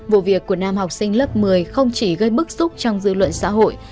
vụ việc của nam học sinh lớp một mươi không chỉ gây bức xúc trong dư luận xã hội